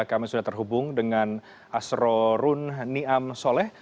kami sudah terhubung dengan asro run niam soleh